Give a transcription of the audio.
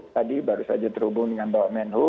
tadi baru saja terhubung dengan bapak menhu